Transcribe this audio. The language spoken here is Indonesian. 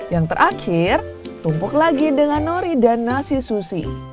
yang terakhir tumpuk lagi dengan nori dan nasi susu